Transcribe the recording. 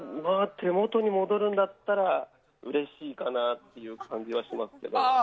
手元に戻るんだったらうれしいかなという感じはしますけど。